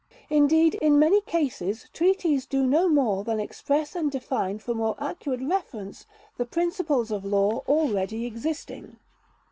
Indeed, in many cases treaties do no more than express and define for more accurate reference the principles of law already existing.